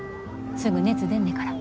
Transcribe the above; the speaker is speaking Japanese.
すぐ熱出んねから。